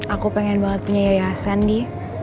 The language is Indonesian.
aku pengen banget punya yayasan nih